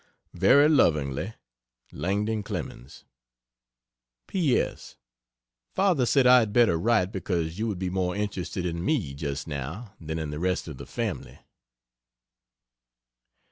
] Very lovingly, LANGDON CLEMENS. P. S. Father said I had better write because you would be more interested in me, just now, than in the rest of the family.